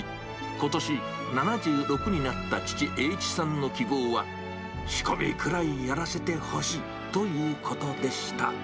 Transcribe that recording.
ことし、７６になった父、英一さんの希望は、仕込みくらいやらせてほしいということでした。